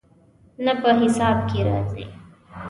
نه، په حساب کې راځي